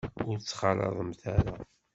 Ur t-ttxalaḍemt ara.